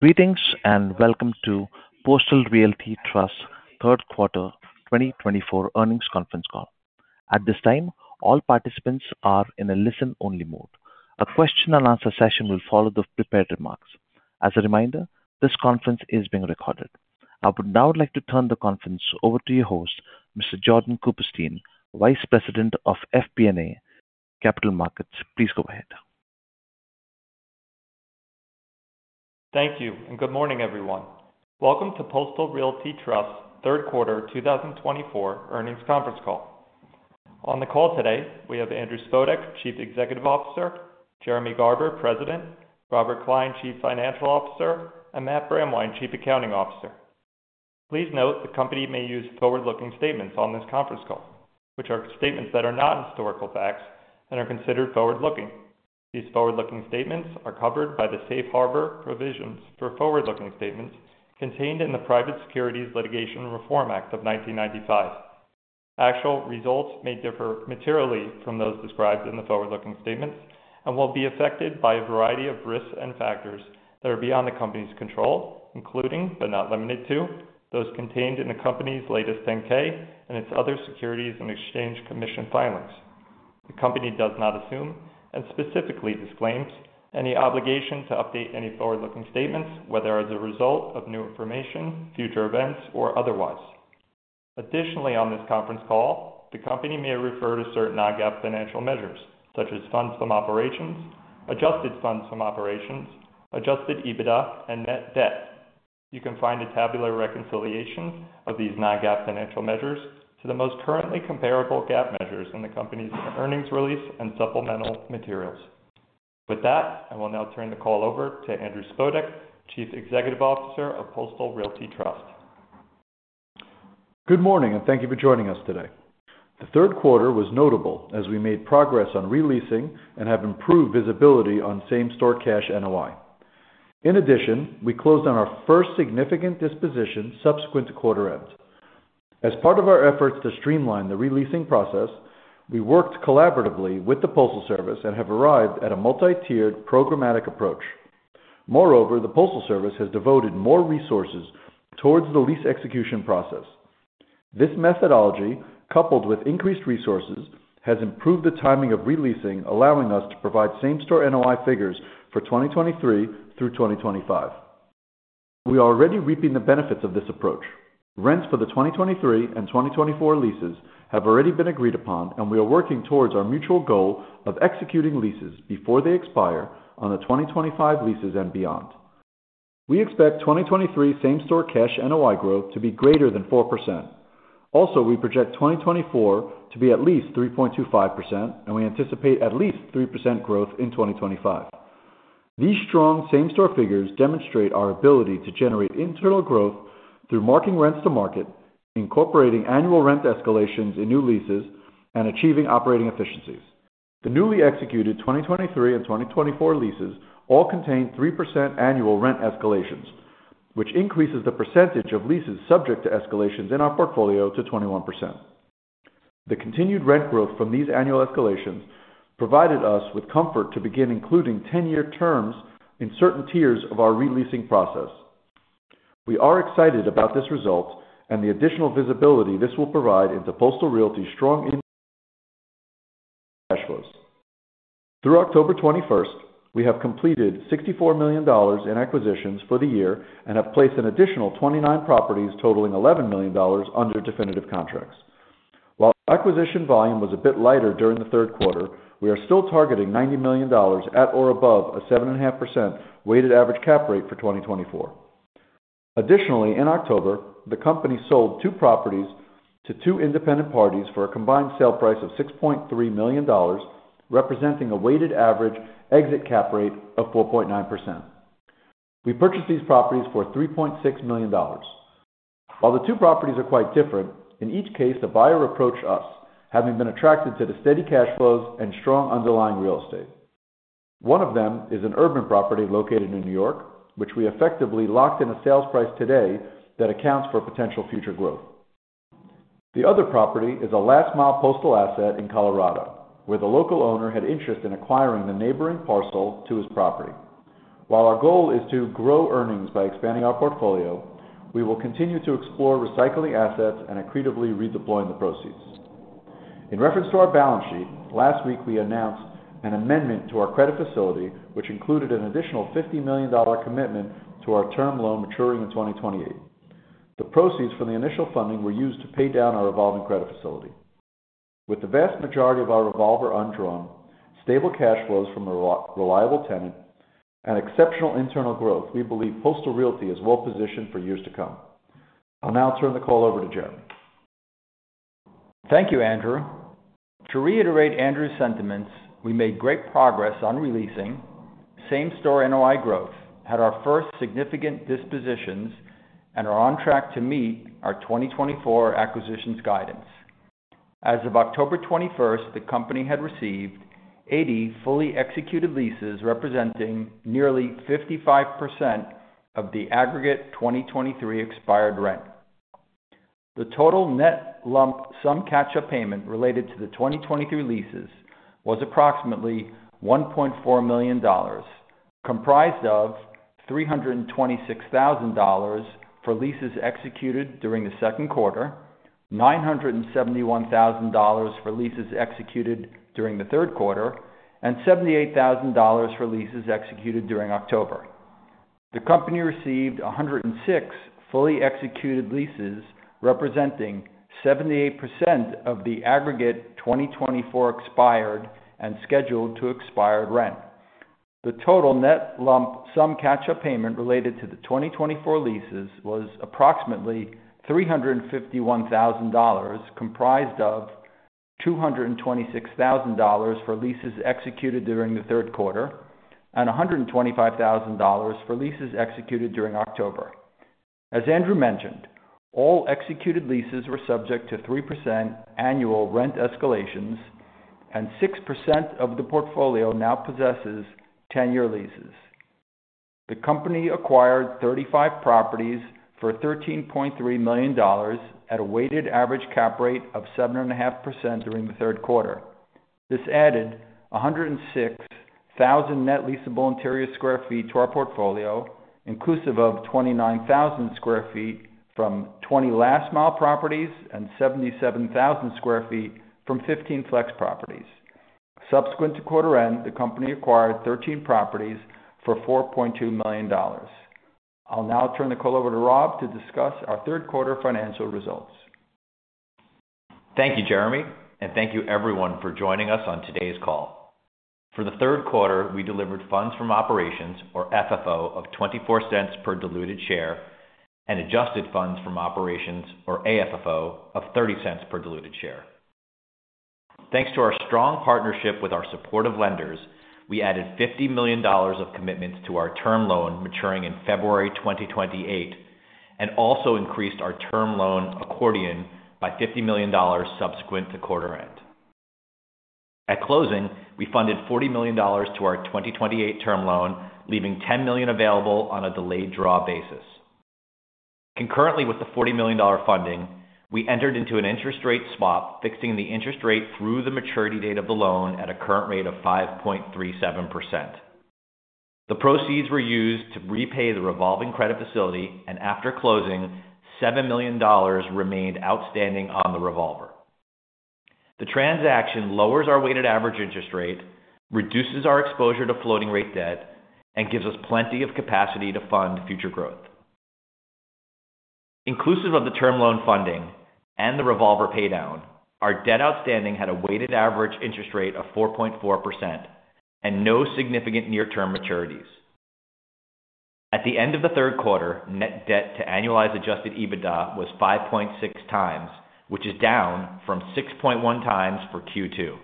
Greetings and welcome to Postal Realty Trust's third quarter 2024 earnings conference call. At this time, all participants are in a listen-only mode. A question-and-answer session will follow the prepared remarks. As a reminder, this conference is being recorded. I would now like to turn the conference over to your host, Mr. Jordan Cooperstein, Vice President of FP&A and Capital Markets. Please go ahead. Thank you, and good morning, everyone. Welcome to Postal Realty Trust's third quarter 2024 earnings conference call. On the call today, we have Andrew Spodek, Chief Executive Officer, Jeremy Garber, President, Robert Klein, Chief Financial Officer, and Matt Brandwein, Chief Accounting Officer. Please note the company may use forward-looking statements on this conference call, which are statements that are not historical facts and are considered forward-looking. These forward-looking statements are covered by the safe harbor provisions for forward-looking statements contained in the Private Securities Litigation Reform Act of 1995. Actual results may differ materially from those described in the forward-looking statements and will be affected by a variety of risks and factors that are beyond the company's control, including, but not limited to, those contained in the company's latest 10-K and its other Securities and Exchange Commission filings. The company does not assume and specifically disclaims any obligation to update any forward-looking statements, whether as a result of new information, future events, or otherwise. Additionally, on this conference call, the company may refer to certain non-GAAP financial measures, such as funds from operations, adjusted funds from operations, adjusted EBITDA, and net debt. You can find a tabular reconciliation of these non-GAAP financial measures to the most currently comparable GAAP measures in the company's earnings release and supplemental materials. With that, I will now turn the call over to Andrew Spodek, Chief Executive Officer of Postal Realty Trust. Good morning, and thank you for joining us today. The third quarter was notable as we made progress on re-leasing and have improved visibility on same-store cash NOI. In addition, we closed on our first significant disposition subsequent to quarter-end. As part of our efforts to streamline the re-leasing process, we worked collaboratively with the Postal Service and have arrived at a multi-tiered programmatic approach. Moreover, the Postal Service has devoted more resources towards the lease execution process. This methodology, coupled with increased resources, has improved the timing of re-leasing, allowing us to provide same-store NOI figures for 2023 through 2025. We are already reaping the benefits of this approach. Rents for the 2023 and 2024 leases have already been agreed upon, and we are working towards our mutual goal of executing leases before they expire on the 2025 leases and beyond. We expect 2023 same-store cash NOI growth to be greater than 4%. Also, we project 2024 to be at least 3.25%, and we anticipate at least 3% growth in 2025. These strong same-store figures demonstrate our ability to generate internal growth through marking rents to market, incorporating annual rent escalations in new leases, and achieving operating efficiencies. The newly executed 2023 and 2024 leases all contain 3% annual rent escalations, which increases the percentage of leases subject to escalations in our portfolio to 21%. The continued rent growth from these annual rent escalations provided us with comfort to begin including 10-year terms in certain tiers of our re-leasing process. We are excited about this result and the additional visibility this will provide into Postal Realty's strong cash flows. Through October 21st, we have completed $64 million in acquisitions for the year and have placed an additional 29 properties totaling $11 million under definitive contracts. While acquisition volume was a bit lighter during the third quarter, we are still targeting $90 million at or above a 7.5% weighted average cap rate for 2024. Additionally, in October, the company sold two properties to two independent parties for a combined sale price of $6.3 million, representing a weighted average exit cap rate of 4.9%. We purchased these properties for $3.6 million. While the two properties are quite different, in each case, the buyer approached us, having been attracted to the steady cash flows and strong underlying real estate. One of them is an urban property located in New York, which we effectively locked in a sales price today that accounts for potential future growth. The other property is a last-mile postal asset in Colorado, where the local owner had interest in acquiring the neighboring parcel to his property. While our goal is to grow earnings by expanding our portfolio, we will continue to explore recycling assets and accretively redeploying the proceeds. In reference to our balance sheet, last week we announced an amendment to our credit facility, which included an additional $50 million commitment to our term loan maturing in 2028. The proceeds from the initial funding were used to pay down our revolving credit facility. With the vast majority of our revolver undrawn, stable cash flows from a reliable tenant, and exceptional internal growth, we believe Postal Realty is well-positioned for years to come. I'll now turn the call over to Jeremy. Thank you, Andrew. To reiterate Andrew's sentiments, we made great progress on re-leasing, same-store NOI growth, had our first significant dispositions, and are on track to meet our 2024 acquisitions guidance. As of October 21st, the company had received 80 fully executed leases representing nearly 55% of the aggregate 2023 expired rent. The total net lump sum catch-up payment related to the 2023 leases was approximately $1.4 million, comprised of $326,000 for leases executed during the second quarter, $971,000 for leases executed during the third quarter, and $78,000 for leases executed during October. The company received 106 fully executed leases representing 78% of the aggregate 2024 expired and scheduled to expire rent. The total net lump sum catch-up payment related to the 2024 leases was approximately $351,000, comprised of $226,000 for leases executed during the third quarter and $125,000 for leases executed during October. As Andrew mentioned, all executed leases were subject to 3% annual rent escalations, and 6% of the portfolio now possesses 10-year leases. The company acquired 35 properties for $13.3 million at a weighted average cap rate of 7.5% during the third quarter. This added 106,000 net leasable interior sq ft to our portfolio, inclusive of 29,000 sq ft from 20 last-mile properties and 77,000 sq ft from 15 flex properties. Subsequent to quarter-end, the company acquired 13 properties for $4.2 million. I'll now turn the call over to Rob to discuss our third quarter financial results. Thank you, Jeremy, and thank you, everyone, for joining us on today's call. For the third quarter, we delivered funds from operations, or FFO, of $0.24 per diluted share and adjusted funds from operations, or AFFO, of $0.30 per diluted share. Thanks to our strong partnership with our supportive lenders, we added $50 million of commitments to our term loan maturing in February 2028 and also increased our term loan accordion by $50 million subsequent to quarter-end. At closing, we funded $40 million to our 2028 term loan, leaving $10 million available on a delayed draw basis. Concurrently with the $40 million funding, we entered into an interest rate swap, fixing the interest rate through the maturity date of the loan at a current rate of 5.37%. The proceeds were used to repay the revolving credit facility, and after closing, $7 million remained outstanding on the revolver. The transaction lowers our weighted average interest rate, reduces our exposure to floating-rate debt, and gives us plenty of capacity to fund future growth. Inclusive of the Term Loan funding and the Revolver paydown, our debt outstanding had a weighted average interest rate of 4.4% and no significant near-term maturities. At the end of the third quarter, Net Debt to annualized Adjusted EBITDA was 5.6 times, which is down from 6.1 times for Q2.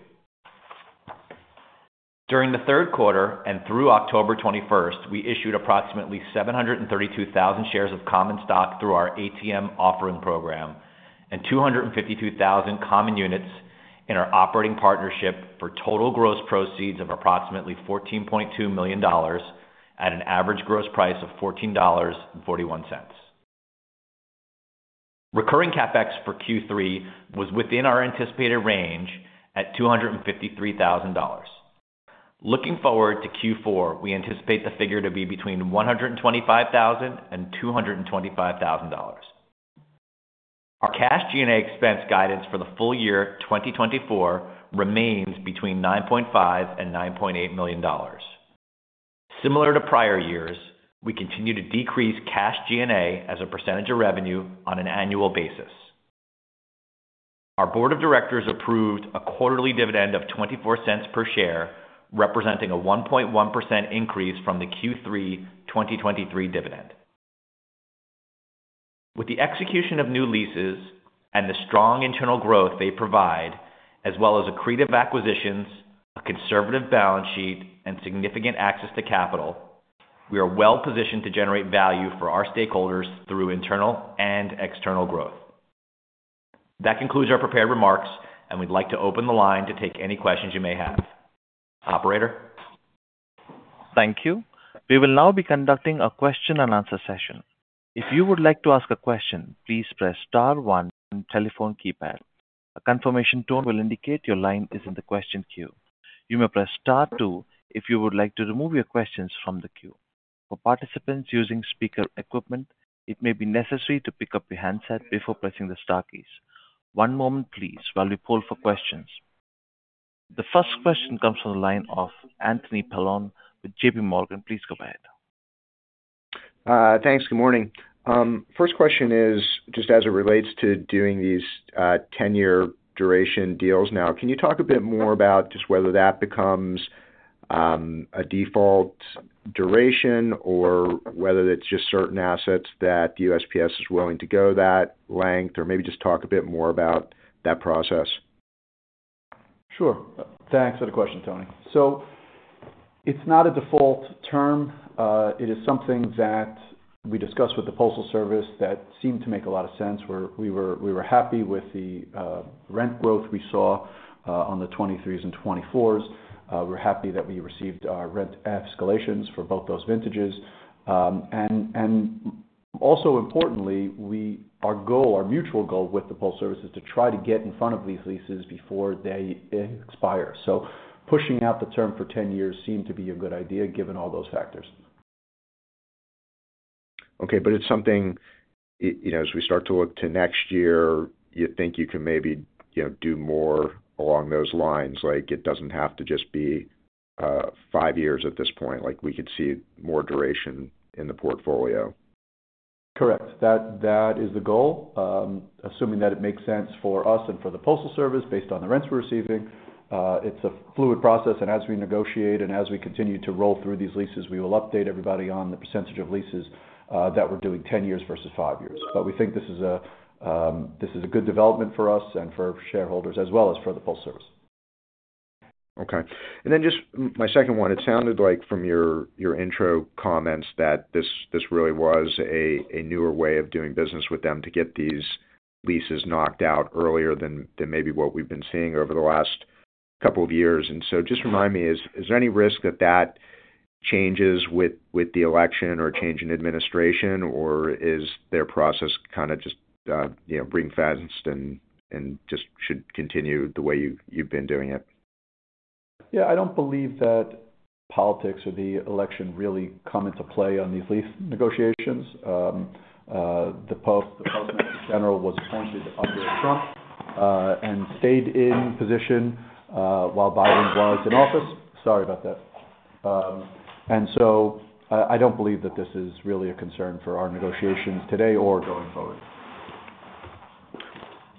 During the third quarter and through October 21st, we issued approximately 732,000 shares of common stock through our ATM Offering Program and 252,000 common units in our Operating Partnership for total gross proceeds of approximately $14.2 million at an average gross price of $14.41. Recurring Capex for Q3 was within our anticipated range at $253,000. Looking forward to Q4, we anticipate the figure to be between $125,000 and $225,000. Our cash G&A expense guidance for the full year 2024 remains between $9.5-$9.8 million. Similar to prior years, we continue to decrease cash G&A as a percentage of revenue on an annual basis. Our board of directors approved a quarterly dividend of $0.24 per share, representing a 1.1% increase from the Q3 2023 dividend. With the execution of new leases and the strong internal growth they provide, as well as accretive acquisitions, a conservative balance sheet, and significant access to capital, we are well-positioned to generate value for our stakeholders through internal and external growth. That concludes our prepared remarks, and we'd like to open the line to take any questions you may have. Operator. Thank you. We will now be conducting a question-and-answer session. If you would like to ask a question, please press Star 1 on the telephone keypad. A confirmation tone will indicate your line is in the question queue. You may press Star 2 if you would like to remove your questions from the queue. For participants using speaker equipment, it may be necessary to pick up your handset before pressing the Star keys. One moment, please, while we poll for questions. The first question comes from the line of Anthony Paolone with JPMorgan. Please go ahead. Thanks. Good morning. First question is just as it relates to doing these 10-year duration deals. Now, can you talk a bit more about just whether that becomes a default duration or whether it's just certain assets that the USPS is willing to go that length, or maybe just talk a bit more about that process? Sure. Thanks for the question, Tony. So it's not a default term. It is something that we discussed with the Postal Service that seemed to make a lot of sense. We were happy with the rent growth we saw on the 2023s and 2024s. We're happy that we received rent escalations for both those vintages. And also importantly, our goal, our mutual goal with the Postal Service is to try to get in front of these leases before they expire. So pushing out the term for 10 years seemed to be a good idea given all those factors. Okay. But it's something, as we start to look to next year, you think you can maybe do more along those lines, like it doesn't have to just be five years at this point, like we could see more duration in the portfolio? Correct. That is the goal, assuming that it makes sense for us and for the Postal Service based on the rents we're receiving. It's a fluid process, and as we negotiate and as we continue to roll through these leases, we will update everybody on the percentage of leases that we're doing 10 years versus five years. But we think this is a good development for us and for shareholders as well as for the Postal Service. Okay. And then just my second one, it sounded like from your intro comments that this really was a newer way of doing business with them to get these leases knocked out earlier than maybe what we've been seeing over the last couple of years. And so just remind me, is there any risk that that changes with the election or change in administration, or is their process kind of just bifurcated and just should continue the way you've been doing it? Yeah. I don't believe that politics or the election really come into play on these lease negotiations. The Postmaster General was appointed under Trump and stayed in position while Biden was in office. Sorry about that. And so I don't believe that this is really a concern for our negotiations today or going forward.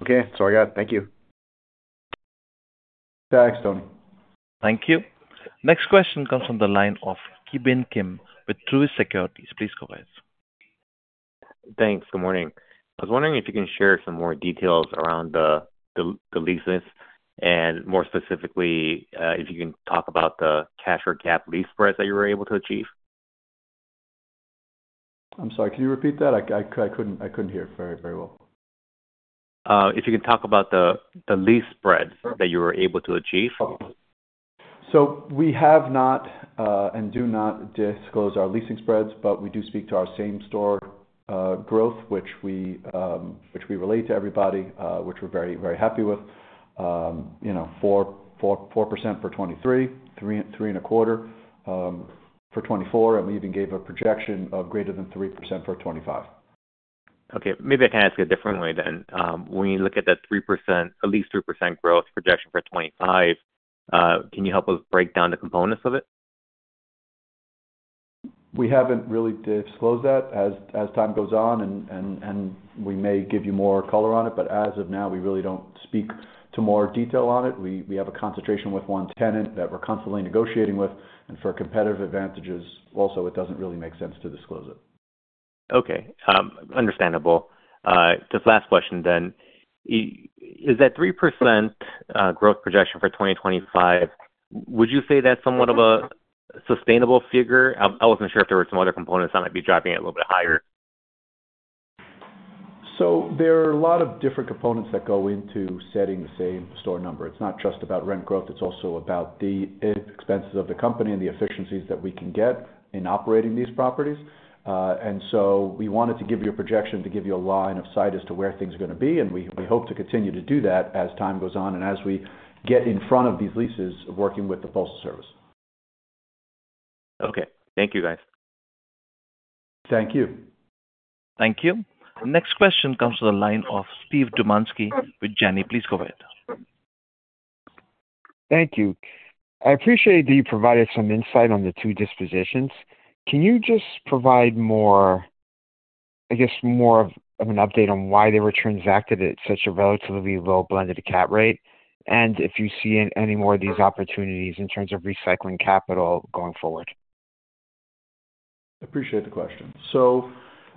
Okay. Sorry about that. Thank you. Thanks, Tony. Thank you. Next question comes from the line of Ki Bin Kim with Truist Securities. Please go ahead. Thanks. Good morning. I was wondering if you can share some more details around the leases and more specifically if you can talk about the cash or cap lease spreads that you were able to achieve. I'm sorry. Can you repeat that? I couldn't hear very well. If you can talk about the lease spreads that you were able to achieve? So we have not and do not disclose our leasing spreads, but we do speak to our same store growth, which we relate to everybody, which we're very, very happy with. 4% for 2023, 3.25% for 2024, and we even gave a projection of greater than 3% for 2025. Okay. Maybe I can ask it a different way then. When you look at that 3%, at least 3% growth projection for 2025, can you help us break down the components of it? We haven't really disclosed that as time goes on, and we may give you more color on it, but as of now, we really don't speak to more detail on it. We have a concentration with one tenant that we're constantly negotiating with, and for competitive advantages, also, it doesn't really make sense to disclose it. Okay. Understandable. Just last question then. Is that 3% growth projection for 2025, would you say that's somewhat of a sustainable figure? I wasn't sure if there were some other components that might be driving it a little bit higher. So there are a lot of different components that go into setting the same store number. It's not just about rent growth. It's also about the expenses of the company and the efficiencies that we can get in operating these properties. And so we wanted to give you a projection to give you a line of sight as to where things are going to be, and we hope to continue to do that as time goes on and as we get in front of these leases working with the Postal Service. Okay. Thank you, guys. Thank you. Thank you. Next question comes from the line of Steve Dumanski with Janney. Please go ahead. Thank you. I appreciate that you provided some insight on the two dispositions. Can you just provide more, I guess, more of an update on why they were transacted at such a relatively low blended cap rate and if you see any more of these opportunities in terms of recycling capital going forward? Appreciate the question. So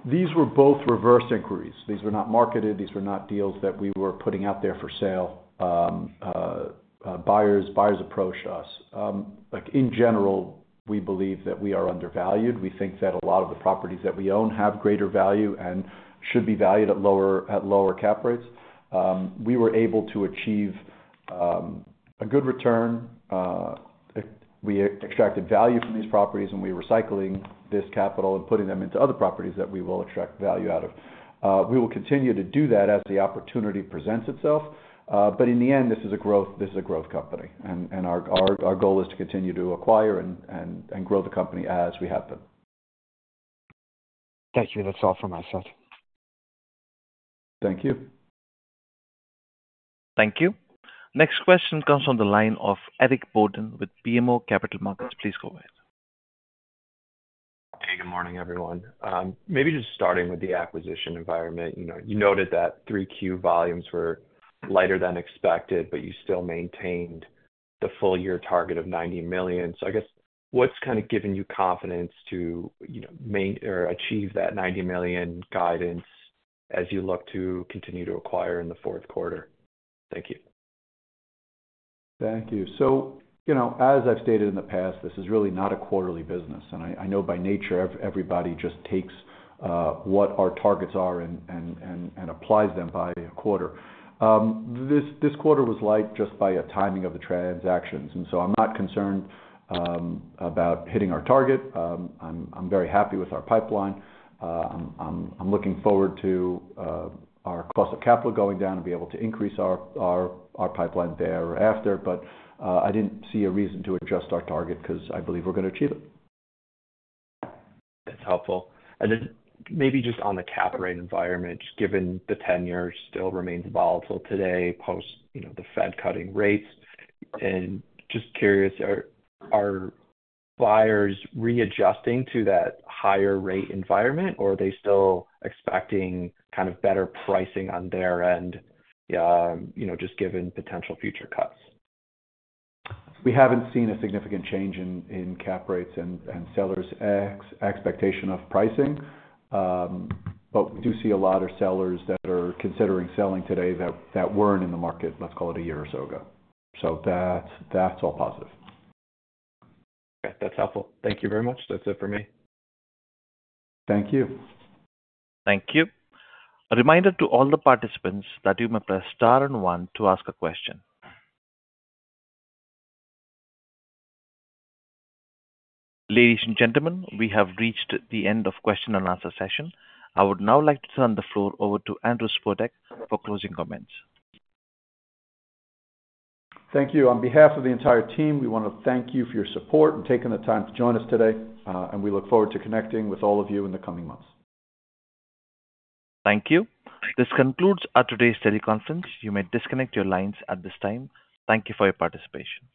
these were both reverse inquiries. These were not marketed. These were not deals that we were putting out there for sale. Buyers approached us. In general, we believe that we are undervalued. We think that a lot of the properties that we own have greater value and should be valued at lower cap rates. We were able to achieve a good return. We extracted value from these properties, and we are recycling this capital and putting them into other properties that we will extract value out of. We will continue to do that as the opportunity presents itself. But in the end, this is a growth company. And our goal is to continue to acquire and grow the company as we have been. Thank you. That's all from my side. Thank you. Thank you. Next question comes from the line of Eric Borden with BMO Capital Markets. Please go ahead. Hey, good morning, everyone. Maybe just starting with the acquisition environment. You noted that 3Q volumes were lighter than expected, but you still maintained the full year target of $90 million. So I guess what's kind of given you confidence to achieve that $90 million guidance as you look to continue to acquire in the fourth quarter? Thank you. Thank you, so as I've stated in the past, this is really not a quarterly business, and I know by nature, everybody just takes what our targets are and applies them by a quarter. This quarter was light just by a timing of the transactions, and so I'm not concerned about hitting our target. I'm very happy with our pipeline. I'm looking forward to our cost of capital going down and be able to increase our pipeline thereafter, but I didn't see a reason to adjust our target because I believe we're going to achieve it. That's helpful. And then maybe just on the cap rate environment, just given the 10-year still remains volatile today post the Fed cutting rates. And just curious, are buyers readjusting to that higher rate environment, or are they still expecting kind of better pricing on their end just given potential future cuts? We haven't seen a significant change in cap rates and sellers' expectation of pricing. But we do see a lot of sellers that are considering selling today that weren't in the market, let's call it a year or so ago. So that's all positive. Okay. That's helpful. Thank you very much. That's it for me. Thank you. Thank you. A reminder to all the participants that you may press Star and 1 to ask a question. Ladies and gentlemen, we have reached the end of the question and answer session. I would now like to turn the floor over to Andrew Spodek for closing comments. Thank you. On behalf of the entire team, we want to thank you for your support and taking the time to join us today, and we look forward to connecting with all of you in the coming months. Thank you. This concludes today's teleconference. You may disconnect your lines at this time. Thank you for your participation.